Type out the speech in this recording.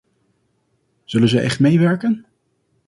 Zullen zij echt meewerken?